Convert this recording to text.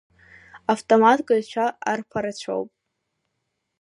Автоматкҩцәа арԥарацәоуп.